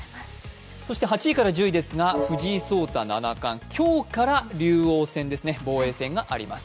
そして８位から１０位ですが藤井聡太七冠、今日から竜王戦ですね、防衛戦があります。